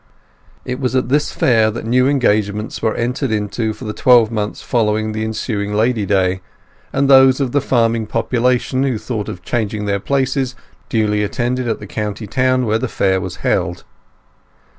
It was at this fair that new engagements were entered into for the twelve months following the ensuing Lady Day, and those of the farming population who thought of changing their places duly attended at the county town where the fair was held.